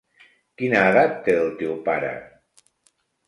Quina edat té el teu pare?